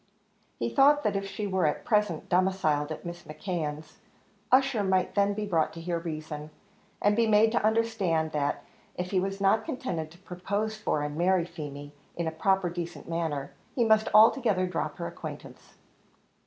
He thought that if she were at present domiciled at Mrs. McKeon's, Ussher might then be brought to hear reason, and be made to understand that if he was not contented to propose for and marry Feemy, in a proper decent manner, he must altogether drop her acquaintance.